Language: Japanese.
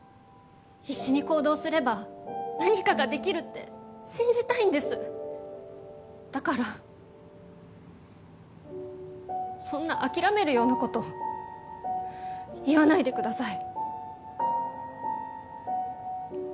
必死に行動すれば何かができるって信じたいんですだからそんな諦めるようなこと言わないでください